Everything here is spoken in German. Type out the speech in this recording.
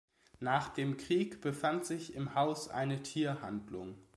Nach dem Krieg befand sich im Haus eine Tierhandlung.